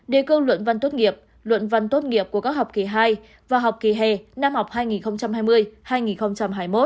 đề cương luận văn tốt nghiệp luận văn tốt nghiệp của các học kỳ hai và học kỳ hè năm học hai nghìn hai mươi